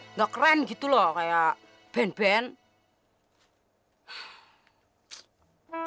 nggak keren gitu loh kayak band band